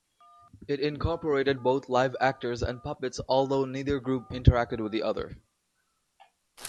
It incorporated both live actors and puppets although neither group interacted with the other.